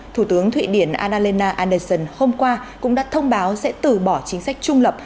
thủ tướng thụy điển annalena andersson hôm qua cũng đã thông báo sẽ từ bỏ chính sách trung lập